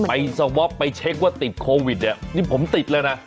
สวอปไปเช็คว่าติดโควิดเนี่ยนี่ผมติดแล้วนะ